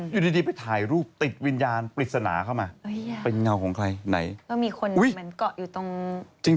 อยู่ดีไปถ่ายรูปติดวิญญาณปริศนาเข้ามาเป็นเงาของใครไหนก็มีคนเหมือนเกาะอยู่ตรงจริง